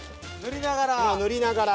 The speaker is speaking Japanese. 塗りながら。